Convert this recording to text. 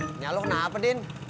minyak lo kenapa din